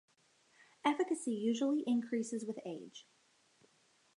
Efficacy usually increases with age.